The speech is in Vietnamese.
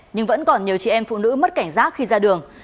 nhưng vẫn còn nhiều chị em phụ nữ mất cảnh giác khi ra đường